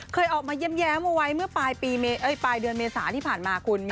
เคยออกมาแย้มเอาไว้เมื่อปลายเดือนเมษาที่ผ่านมาคุณ